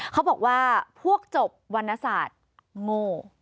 เขาบอกว่าพวกจบวรรณศาสตร์โง่